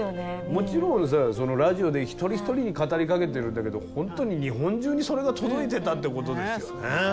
もちろんさラジオで一人一人に語りかけてるんだけど本当に日本中にそれが届いてたってことですよね。